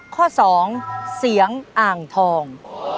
ข้อ๒เสียงอ่างทอง